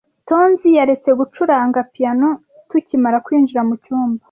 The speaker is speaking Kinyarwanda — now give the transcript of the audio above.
Tonzi yaretse gucuranga piyano tukimara kwinjira mucyumba.